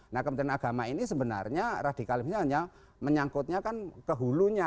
nah kementerian agama ini sebenarnya radikalismenya hanya menyangkutnya kan ke hulunya